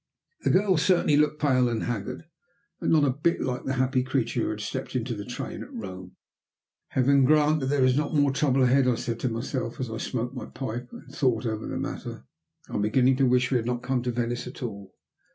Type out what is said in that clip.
The girl certainly looked pale and haggard, and not a bit like the happy creature who had stepped into the train at Rome. "Heaven grant that there is not more trouble ahead," I said to myself, as I smoked my pipe and thought over the matter. "I am beginning to wish we had not come to Venice at all.